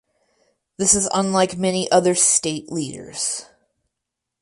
This is unlike many other state leaders.